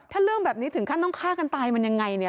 ถ้าเรื่องแบบนี้ถึงขั้นต้องฆ่ากันตายมันยังไงเนี่ย